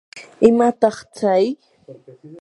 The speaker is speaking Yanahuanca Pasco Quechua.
¿imataq tsay?